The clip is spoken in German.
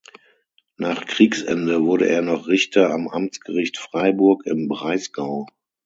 Nach Kriegsende wurde er noch Richter am Amtsgericht Freiburg im Breisgau.